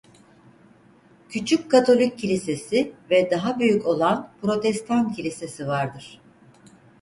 Küçük katolik kilisesi ve daha büyük olan protestan kilisesi vardır.